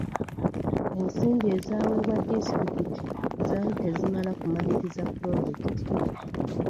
Ensimbi ezaaweebwa disitulikiti zaali tezimala okumaliriza pulojekiti.